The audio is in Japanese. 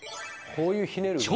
こういうひねる動き